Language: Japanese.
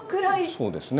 そうですね。